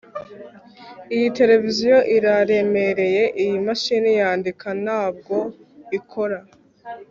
Iyi televiziyo iraremereye Iyi mashini yandika ntabwo ikora